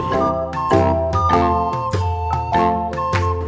ต้องกอดแล้วหอมตามค่ะ